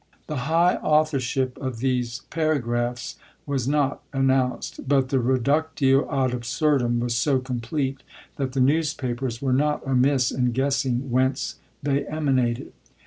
The high authorship of these paragraphs was not announced, but the reductio ad absurdum was so complete that the newspapers were not amiss in guessing whence they emanated.